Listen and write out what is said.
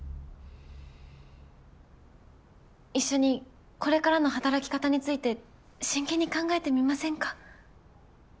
一緒にこれからの働き方について真剣に考えてみませんか？